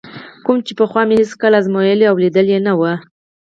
کوم چې پخوا مې هېڅکله ازمایلی او لیدلی نه وي.